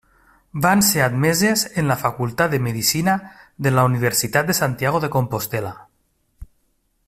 Van ser admeses en la Facultat de Medicina de la Universitat de Santiago de Compostel·la.